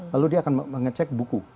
lalu dia akan mengecek buku